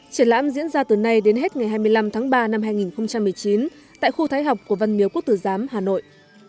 triển lãm diễn ra từ nay đến hết ngày hai mươi năm tháng ba năm hai nghìn một mươi chín tại khu thái học của văn miếu quốc tử giám hà nội